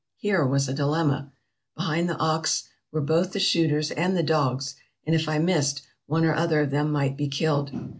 Here was a dilemma! Behind the ox were both the shooters and the dogs, and if I missed, one or other of them might be killed.